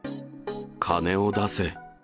金を出せ。